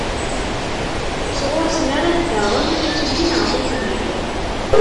Sɣur-sen ara d-taɣem akli neɣ taklit.